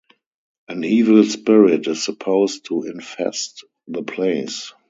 An evil spirit is supposed to infest the place.